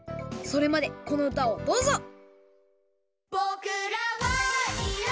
それまでこのうたをどうぞ！